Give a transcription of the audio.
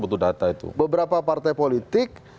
butuh data itu beberapa partai politik